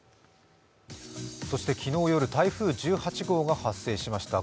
そして昨日夜台風１８号が発生しました。